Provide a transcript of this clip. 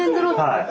はい。